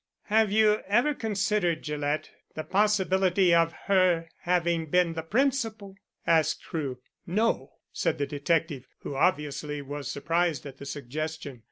"Have you ever considered, Gillett, the possibility of her having been the principal?" asked Crewe. "No," said the detective, who obviously was surprised at the suggestion.